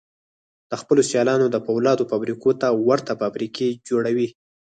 د خپلو سيالانو د پولادو فابريکو ته ورته فابريکې جوړوي.